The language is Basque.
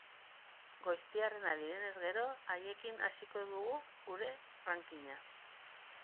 Goiztiarrenak direnez gero, haiekin hasiko dugu gure rankinga.